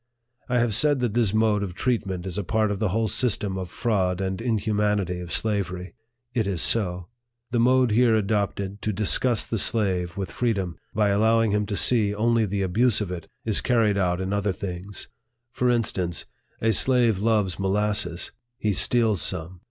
I have said that this mode of treatment is a part of the whole system of fraud and inhumanity of slavery. It is so. The mode here adopted to disgust the slave with freedom, by allowing him to see only the abuse of it, is carried out in other things. For instance, a slave loves molasses ; he steals some.